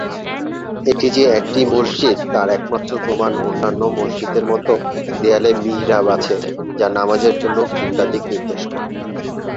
এটি যে একটি মসজিদ তার একমাত্র প্রমাণ অন্যান্য মসজিদের মত দেয়ালে মিহরাব আছে যা নামাযের জন্য কিবলা দিক নির্দেশ করে।